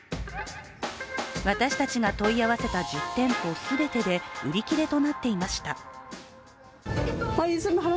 私たちが問い合わせた１０店舗全てで売り切れとなっていました。